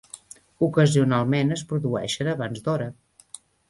Ocasionalment es produeixen abans d'hora.